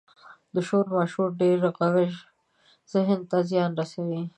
• د شور ماشور ډېر ږغ ذهن ته زیان رسوي.